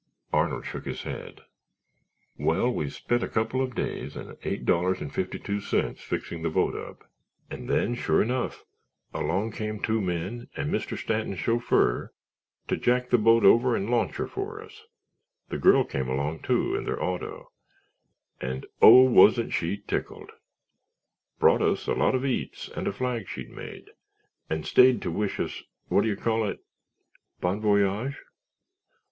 Arnold shook his head. "Well, we spent a couple of days and eight dollars and fifty two cents fixing the boat up and then, sure enough, along came two men and Mr. Stanton's chauffeur to jack the boat over and launch her for us. The girl came along, too, in their auto, and oh, wasn't she tickled! Brought us a lot of eats and a flag she'd made, and stayed to wish us—what do you call it?" "Bon voyage?"